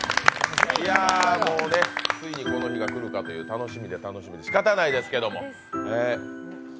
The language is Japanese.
ついにこの日が来るかという楽しみで楽しみでしかたがないですけれども。